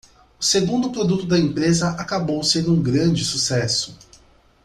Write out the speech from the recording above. O segundo produto da empresa acabou sendo um grande sucesso.